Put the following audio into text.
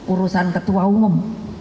urusan ketua umum